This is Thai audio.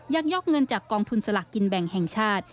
ักยอกเงินจากกองทุนสลักกินแบ่งแห่งชาติ